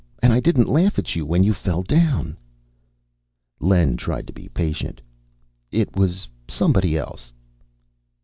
"And I didn't laugh at you when you fell down." Len tried to be patient. "It was somebody else."